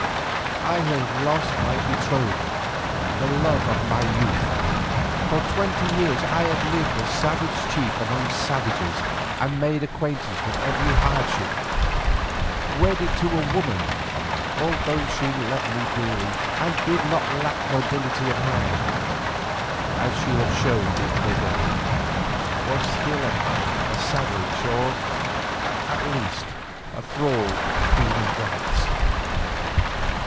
I had lost my betrothed, the love of my youth; for twenty years I had lived a savage chief among savages and made acquaintance with every hardship, wedded to a woman who, although she loved me dearly, and did not lack nobility of mind, as she had shown the other day, was still at heart a savage or, at the least, a thrall of demon gods.